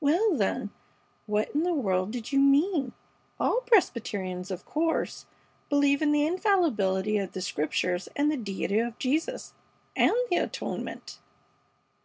"Well, then, what in the world did you mean? All Presbyterians, of course, believe in the infallibility of the Scriptures and the deity of Jesus and the atonement!"